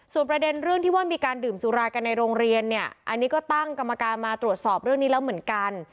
ส่วนประเด็นเรื่องที่ว่ามีการดื่มสุรากันในโรงเรียนเนี่ยอันนี้ก็ตั้งกรรมการมาตรวจสอบเรื่องนี้แล้วเหมือนกัน